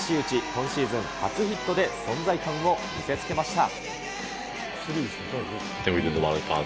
今シーズン初ヒットで存在感を見せつけました。